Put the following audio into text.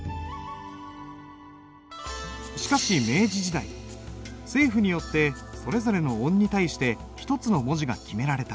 しかし明治時代政府によってそれぞれの音に対して１つの文字が決められた。